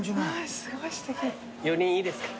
４人いいですか？